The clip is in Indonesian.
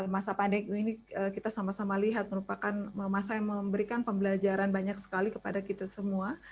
masa pandemi ini kita sama sama lihat merupakan masa yang memberikan pembelajaran banyak sekali kepada kita semua